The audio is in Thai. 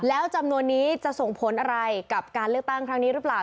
แล้วจำนวนนี้จะส่งผลอะไรกับการเลือกตั้งครั้งนี้หรือเปล่า